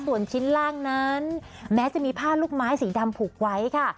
ส่วนชิ้นล่างนั้นแม้จะมีผ้าลูกไม้สีดำผูกไว้ค่ะ